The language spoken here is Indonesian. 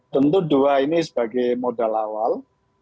tentu dua ini sebagai modal awal